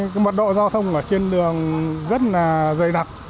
cái mật độ giao thông ở trên đường rất là dày đặc